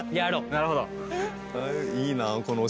なるほど。